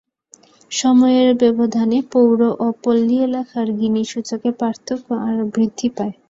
সময়ের ব্যবধানে পৌর ও পল্লী এলাকার গিনি সূচকে পার্থক্য আরও বৃদ্ধি পায়।